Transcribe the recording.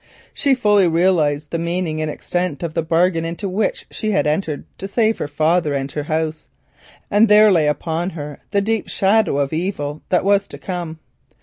She fully realised the meaning and extent of the bargain into which she had entered to save her father and her house, and there lay upon her the deep shadow of evil that was to come.